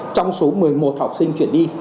trong số một mươi một học sinh chuyển đi